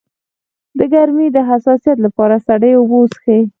د ګرمۍ د حساسیت لپاره سړې اوبه وڅښئ